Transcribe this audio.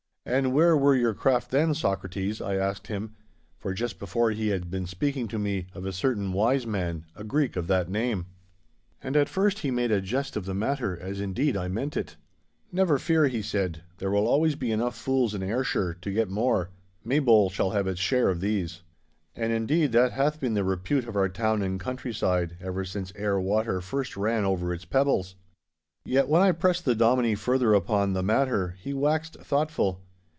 And where were your craft then, Socrates?' I asked him, for just before he had been speaking to me of a certain wise man, a Greek of that name. And at first he made a jest of the matter, as indeed I meant it. 'Never fear,' he said, 'there will always be enough fools in Ayrshire to get more. Maybole shall have its share of these.' And indeed that hath been the repute of our town and countryside ever since Ayr water first ran over its pebbles! Yet when I pressed the Dominie further upon the matter, he waxed thoughtful.